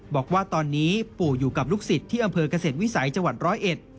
บอกว่าตอนนี้ปู่อยู่กับลูกศิษย์ที่อำเภอกเกษตรวิสัยจังหวัดร้อยเอ็ด